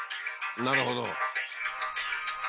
なるほど。